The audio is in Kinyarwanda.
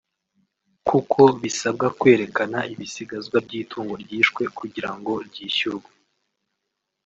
kuko bisabwa kwerekana ibisigazwa by’itungo ryishwe kugira ngo ryishyurwe